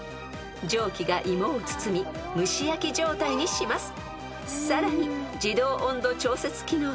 ［蒸気がイモを包み蒸し焼き状態にします］